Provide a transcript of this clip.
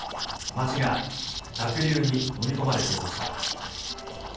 町が濁流にのみ込まれていました。